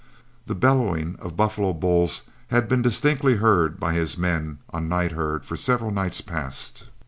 The bellowing of buffalo bulls had been distinctly heard by his men on night herd for several nights past.